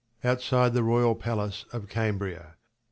Outside the royal palace of Cambria.